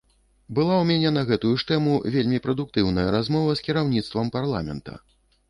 Была ў мяне на гэтую ж тэму вельмі прадуктыўная размова з кіраўніцтвам парламента.